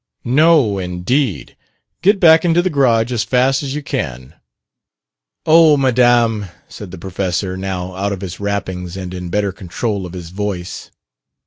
No, indeed! Get back into the garage as fast as you can." "Oh, Madame!" said the Professor, now out of his wrappings and in better control of his voice.